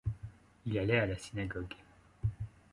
Il allait à la synagogue.